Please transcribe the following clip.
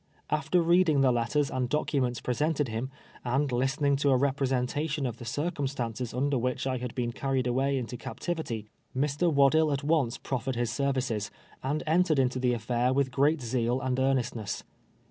After reading the letters and documents presented him, and listening to a rep resentation of the circumstances under which I had been carried away into captivity, Mr. AYaddill at once proftered his services, and entered into the af fair with great zeal and earnestness.